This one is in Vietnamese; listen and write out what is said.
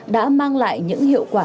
đã mang lại những hiệu quả